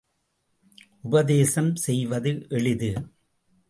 உபதேசம் செய்வது எளிது.